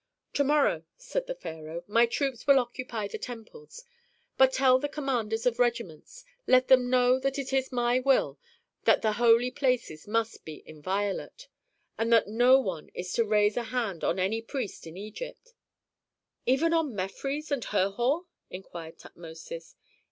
"To morrow," said the pharaoh, "my troops will occupy the temples. But tell the commanders of regiments, let them know that it is my will, that the holy places must be inviolate, and that no one is to raise a hand on any priest in Egypt." "Even on Mefres and Herhor?" inquired Tutmosis.